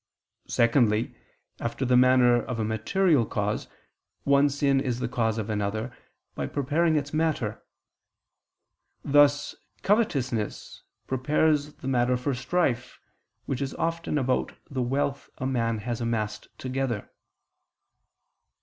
Secondly, after the manner of a material cause, one sin is the cause of another, by preparing its matter: thus covetousness prepares the matter for strife, which is often about the wealth a man has amassed together.